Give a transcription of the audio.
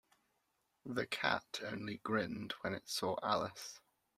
The Cat only grinned when it saw Alice.